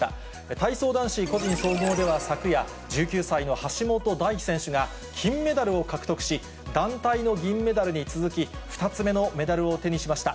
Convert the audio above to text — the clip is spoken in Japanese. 体操男子個人総合では昨夜、１９歳の橋本大輝選手が金メダルを獲得し、団体の銀メダルに続き、２つ目のメダルを手にしました。